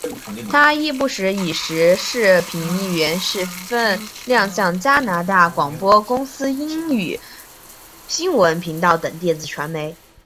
她亦不时以时事评论员身份亮相加拿大广播公司英语新闻频道等电子传媒。